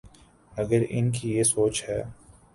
اگر ان کی یہ سوچ ہے۔